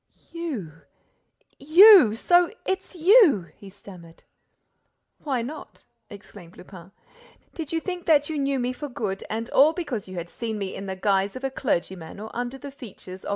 "You—you—So it's you!" he stammered. "Why not?" exclaimed Lupin. "Did you think that you knew me for good and all because you had seen me in the guise of a clergyman or under the features of M.